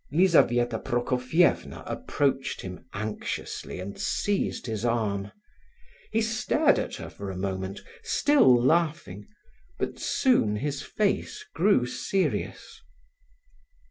Lizabetha Prokofievna approached him anxiously and seized his arm. He stared at her for a moment, still laughing, but soon his face grew serious.